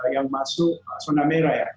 yang masuk sonamera ya